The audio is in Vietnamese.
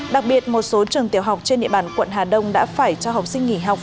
đặc biệt một số trường tiểu học trên địa bàn quận hà đông đã phải cho học sinh nghỉ học